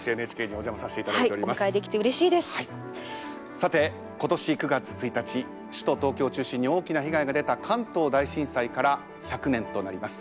さて今年９月１日首都東京を中心に大きな被害が出た関東大震災から１００年となります。